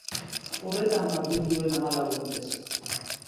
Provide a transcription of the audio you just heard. Horretan jardun zuen hamalau urtez.